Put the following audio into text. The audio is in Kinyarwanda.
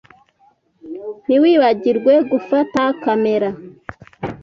Ntiwibagirwe gufata kamera.